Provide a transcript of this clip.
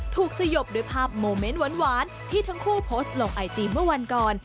สยบด้วยภาพโมเมนต์หวานที่ทั้งคู่โพสต์ลงไอจีเมื่อวันก่อน